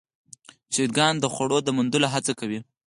چرګان د خوړو د موندلو هڅه کوي.